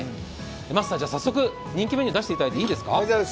マスター、早速人気メニューを出していただいていいですか。